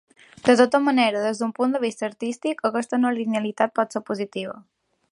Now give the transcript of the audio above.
De tota manera, des d'un punt de vista artístic, aquesta no-linealitat pot ser positiva.